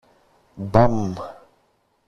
Μπαμ!